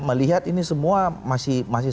melihat ini semua masih